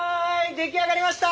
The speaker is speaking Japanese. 出来上がりました！